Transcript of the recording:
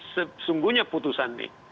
sesungguhnya putusan ini